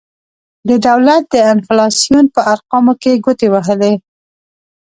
د دولت د انفلاسیون په ارقامو کې ګوتې وهلي.